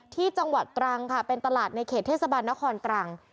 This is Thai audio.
ที่จังหวัดตรังค่ะเป็นตลาดในเขตเทศบาลนครตรัง